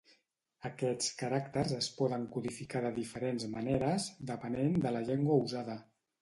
Aquests caràcters es poden codificar de diferents maneres depenent de la llengua usada.